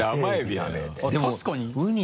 確かに。